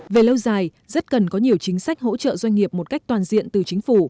về lâu dài rất cần có nhiều chính sách hỗ trợ doanh nghiệp một cách toàn diện từ chính phủ